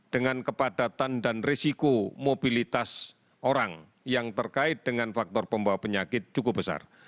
dengan kepadatan dan risiko mobilitas orang yang terkait dengan faktor pembawa penyakit cukup besar